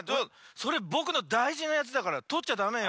それぼくのだいじなやつだからとっちゃだめよ。